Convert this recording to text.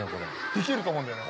できると思うんだよね。